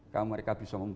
kalau mereka bisa memperoleh